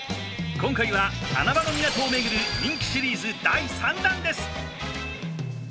今回は穴場の港を巡る人気シリーズ第３弾です！